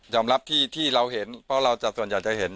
รับที่เราเห็นเพราะเราส่วนใหญ่จะเห็น